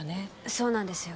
そうなんですよ。